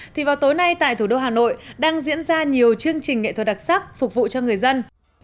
thì vào tối nay tại thủ đô hà nội đang diễn ra nhiều chương trình nghệ thuật đặc sắc phục vụ cho người dân